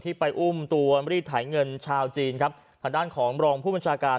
ที่ไปอุ้มตัวลีถ่ายเงินชาวจีนครับคำด้านของ๒๐๑๘เมืองรองผู้วิจารณาการ